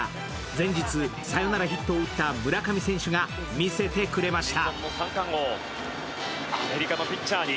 前日サヨナラヒットを打った村上選手が見せてくれました。